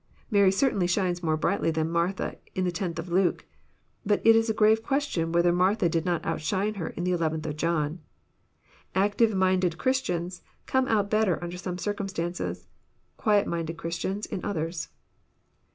Mary certainly shines more brightly than Mar tha in the 10th of Luke ; but it is a grave question whether Mar tha did not outshine her in the 11th of John. Active minded Christians come out better under some circumstances ; quiet minded Christians, in others.